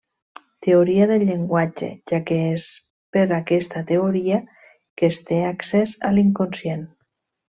Teoria del llenguatge, ja que és per aquesta teoria que es té accés a l'inconscient.